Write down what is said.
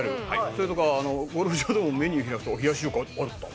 それとかゴルフ場でもメニュー開くと「冷やし中華あった」。